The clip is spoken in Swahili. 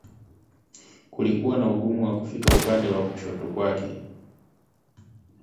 Kulikuwa na ugumu wa kufika upande wa kushoto kwakwe